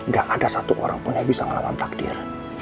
gak ada satu orang pun yang bisa melawan takdir